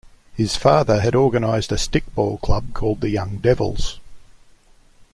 His father had organized a stickball club called the Young Devils.